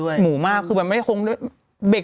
ยังไม่ได้ตอบรับหรือเปล่ายังไม่ได้ตอบรับหรือเปล่า